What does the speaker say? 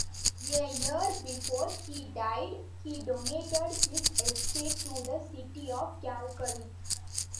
A year before he died he donated his estate to the City of Calgary.